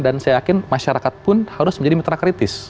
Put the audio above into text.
dan saya yakin masyarakat pun harus menjadi metra kritis